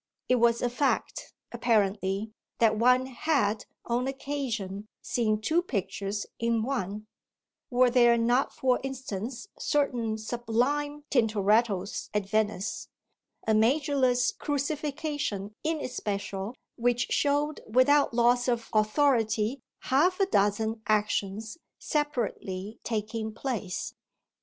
It was a fact, apparently, that one had on occasion seen two pictures in one; were there not for instance certain sublime Tintorettos at Venice, a measureless Crucifixion in especial, which showed without loss of authority half a dozen actions separately taking place?